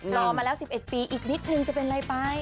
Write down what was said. รอมาแล้ว๑๑ปีอีกนิดนึงจะเป็นอะไรไป